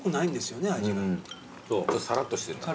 さらっとしてるんだ。